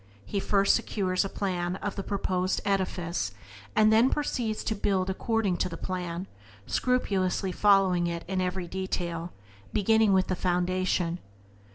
He first secures a plan of the proposed edifice and then proceeds to build according to the plan, scrupulously following it in every detail, beginning with the foundation.